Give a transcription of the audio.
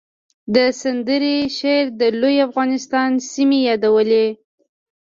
د سندرې شعر د لوی افغانستان سیمې یادولې